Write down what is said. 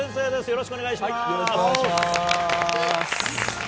よろしくお願いします。